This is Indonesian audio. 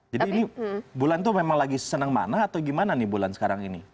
jadi ini bulan tuh memang lagi senang mana atau gimana nih bulan sekarang ini